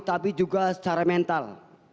tapi juga secara mental